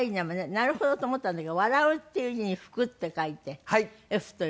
なるほどと思ったんだけど「笑う」っていう字に「福」って書いて「えふ」と読むのね。